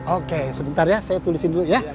oke sebentar ya saya tulisin dulu ya